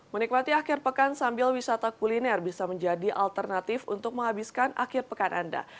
menikmati akhir pekan sambil wisata kuliner bisa menjadi alternatif untuk menghabiskan akhir pekan anda